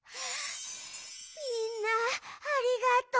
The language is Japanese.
みんなありがとう。